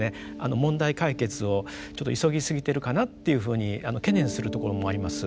問題解決をちょっと急ぎすぎてるかなっていうふうに懸念するところもあります。